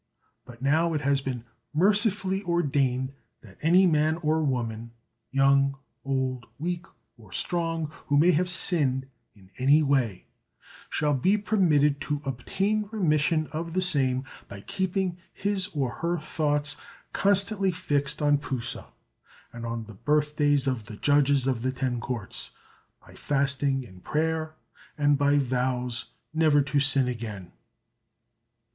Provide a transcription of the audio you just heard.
But now it has been mercifully ordained that any man or woman, young, old, weak or strong, who may have sinned in any way, shall be permitted to obtain remission of the same by keeping his or her thoughts constantly fixed on P'u sa and on the birthdays of the Judges of the Ten Courts, by fasting and prayer, and by vows never to sin again.